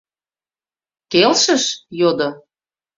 — Келшыш? — йодо.